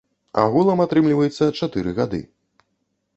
Агулам атрымліваецца чатыры гады.